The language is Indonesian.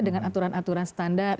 dengan aturan aturan standar